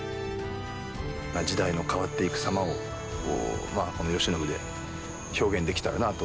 時代の変わっていく様をこの慶喜で表現できたらなぁと。